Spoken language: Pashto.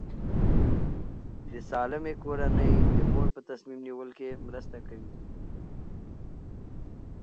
د سالمې کورنۍ د مور په تصمیم نیول کې مرسته کوي.